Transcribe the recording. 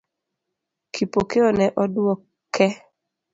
Kipokeo ne oduoke.